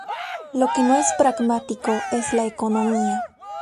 Lo que no es pragmático es la economía".